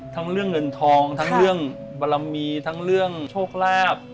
ทั้งเรื่องเงินทองทั้งเรื่องบารมีทั้งเรื่องโชคลาภ